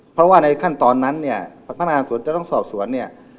เพราะว่าในขั้นตอนนั้นพนาศาสตร์จะต้องสอบสวน